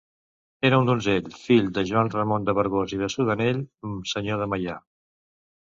Era un donzell fill de Joan Ramon de Vergós i de Solanell, senyor de Meià.